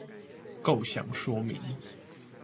構想說明